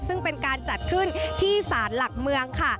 ซึ่งเป็นการจัดขึ้นที่สารหลักเมืองค่ะ